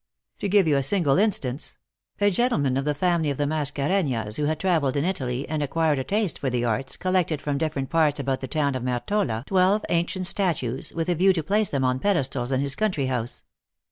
To give you a single instance : A gentleman of the family of the Mascarenhas, who had traveled in Italy, and ac THE ACTEESS IN HIGH LIFE. 169 quired a taste for the arts, collected from different parts about the town of Mertola, twelve ancient statues, with a view to place them on pedestals in his country house.